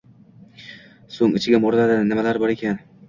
soʻng ichiga moʻraladi: nimalar bor ekan?